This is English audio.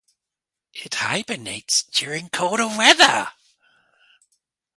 It hibernates during colder weather.